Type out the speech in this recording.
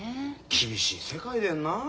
厳しい世界でんなあ。